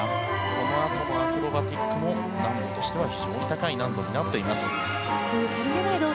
このあとのアクロバティックも難度としては非常に高い難度になっています。